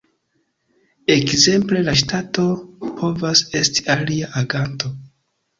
Ekzemple la ŝtato povas esti alia aganto.